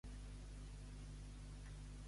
Semblar Déu i tot el món.